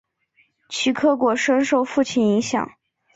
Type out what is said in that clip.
齐克果深受父亲影响。